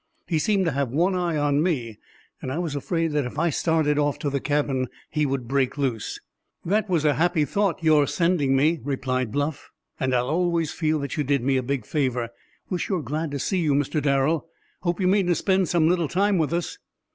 He seemed to have one eye on me, and I was afraid that if I started off to the cabin he would break loose." "That was a happy thought, your sending me," replied Bluff, "and I'll always feel that you did me a big favor. We're sure glad to see you, Mr. Darrel. Hope you mean to spend some little time with us."